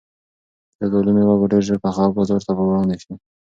د زردالو مېوه به ډېر ژر پخه او بازار ته به وړاندې شي.